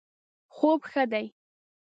خوب ښه دی